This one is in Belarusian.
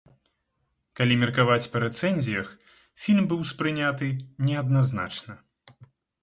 Калі меркаваць па рэцэнзіях, фільм быў успрыняты неадназначна.